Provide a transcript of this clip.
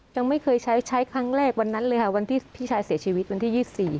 ยังไม่เคยใช้ใช้ครั้งแรกวันนั้นเลยค่ะวันที่พี่ชายเสียชีวิตวันที่๒๔